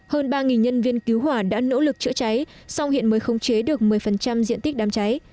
hơn ba nhân viên cứu hỏa đã nỗ lực chữa cháy song hiện mới khống chế được một mươi diện tích đám cháy